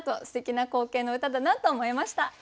すてきな光景の歌だなと思いました。